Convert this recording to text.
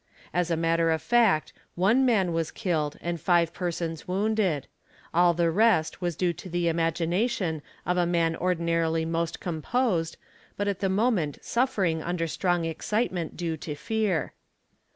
As a matter of fact, 'one man was killed and five persons wounded: all the rest was due to ie |.| the imagination of a man ordinarily most composed but at the moment ANU ARIA AOE ami REA suffering under strong excitement due to fear.